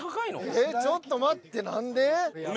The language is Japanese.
ええっちょっと待って何で？